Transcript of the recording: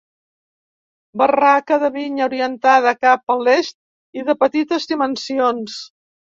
Barraca de vinya orientada cap a l'est i de petites dimensions.